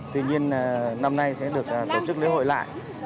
tuy nhiên năm nay sẽ được tổ chức lễ hội lại